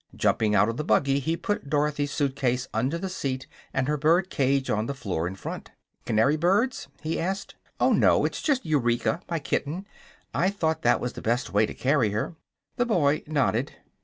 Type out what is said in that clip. Jumping out of the buggy he put Dorothy's suit case under the seat and her bird cage on the floor in front. "Canary birds?" he asked. "Oh, no; it's just Eureka, my kitten. I thought that was the best way to carry her." The boy nodded.